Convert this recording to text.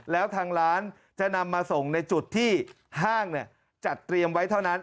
แล้วทางร้านจะนำมาส่งในจุดที่ห้างจัดเตรียมไว้เท่านั้น